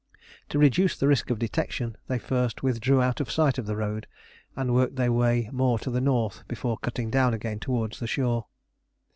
To reduce the risk of detection, they first withdrew out of sight of the road and worked their way more to the north before cutting down again towards the shore.